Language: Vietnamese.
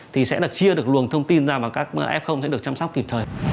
thì sẽ chia được luồng thông tin ra và các f sẽ được chăm sóc kịp thời